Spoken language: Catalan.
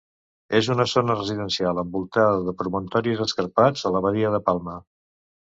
És una zona residencial envoltada de promontoris escarpats a la badia de Palma.